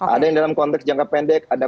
ada yang dalam konteks jangka pendek ada